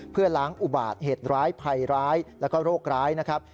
เพื่อล้างอุบัติเหตุร้ายภัยร้ายแล้วก็โรคร้ายนะครับ